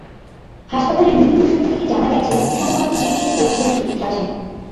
হাসপাতালের বিভিন্ন সূত্র থেকে জানা গেছে, সোমাবার খিচুড়ি খেতে চেয়েছিলেন সুচিত্রা সেন।